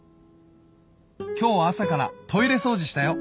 「今日は朝からトイレ掃除したよ！」